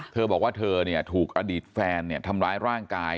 เธอบอกว่าเธอเนี่ยถูกอดีตแฟนเนี่ยทำร้ายร่างกาย